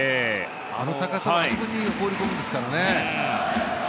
あの高さをあそこに放り込むんですからね。